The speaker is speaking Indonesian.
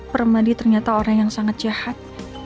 permadi ternyata orang yang sangat jahat